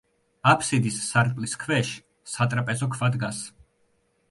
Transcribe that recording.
აფსიდის სარკმლის ქვეშ სატრაპეზო ქვა დგას.